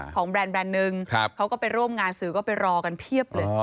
แบรนด์นึงเขาก็ไปร่วมงานสื่อก็ไปรอกันเพียบเลย